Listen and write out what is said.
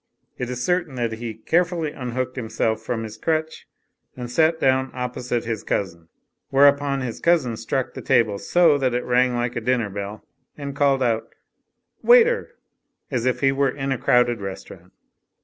It is certain that he carefully unhooked himself from his crutch and sat down opposite his cousin. Whereupon his cousin struck the table so that.it rang like a dinner bell and called out, "Waiter !" as if he were in a crowded restaurant.